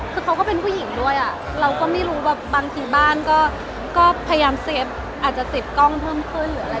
คือเขาก็เป็นผู้หญิงด้วยอ่ะเราก็ไม่รู้แบบบางทีบ้านก็พยายามเซฟอาจจะติดกล้องเพิ่มขึ้นหรืออะไร